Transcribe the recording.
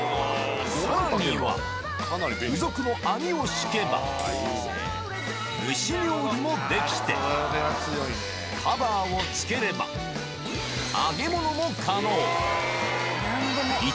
さらには、付属の網を敷けば、蒸し料理もできて、カバーをつければ、揚げ物も可能。